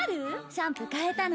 シャンプー替えたの。